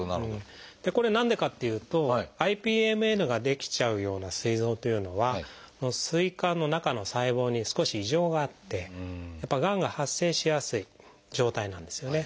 これ何でかっていうとＩＰＭＮが出来ちゃうようなすい臓というのは膵管の中の細胞に少し異常があってやっぱりがんが発生しやすい状態なんですよね。